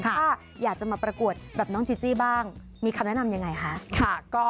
ถ้าอยากจะมาประกวดแบบน้องจีจี้บ้างมีคำแนะนำยังไงคะ